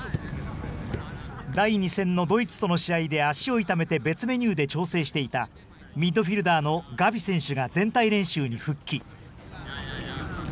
第２戦のドイツとの試合で足を痛めて別メニューで調整していたミッドフィールダーのガビ選手が全体練習に復帰。